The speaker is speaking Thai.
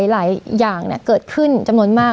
หลายอย่างเกิดขึ้นจำนวนมาก